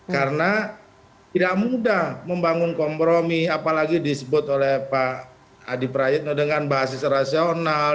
karena tidak mudah membangun kompromi apalagi disebut oleh pak adi prayetno dengan basis rasional